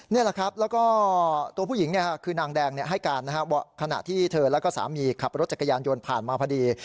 นี่แหละครับแล้วก็ตัวผู้หญิงคือนางแดงให้การว่าขณะที่เธอแล้วก็สามีขับรถจักรยานยนต์ผ่านมาพอดี